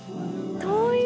遠い。